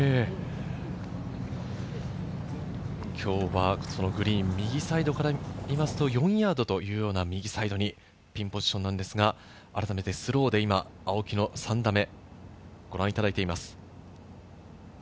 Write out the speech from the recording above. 今日はグリーン右サイドから見ますと、４ヤードというような右サイドにピンポジションなんですが、あらためてスローで青木の３打目、ご覧いただいています。